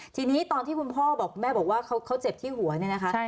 ทีนี้ตอนที่คุณพ่อบอกแม่บอกว่าเขาเจ็บที่หัวเนี่ยนะคะ